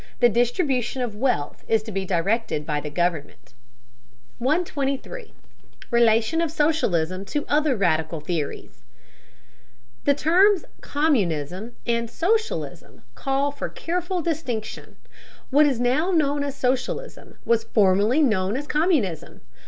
The distribution of wealth is to be directed by the government. 123. RELATION OF SOCIALISM TO OTHER RADICAL THEORIES. The terms "communism" and "socialism" call for careful distinction. What is now known as socialism was formerly known as communism.